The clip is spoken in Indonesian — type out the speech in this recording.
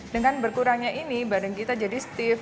dengan berkurangnya ini badan kita jadi steve